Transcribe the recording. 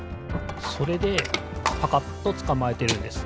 それでパカッとつかまえてるんです。